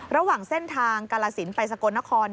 ระหว่างเส้นทางกาลสินไปสกลนคร